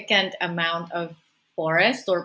jumlah hutan yang sangat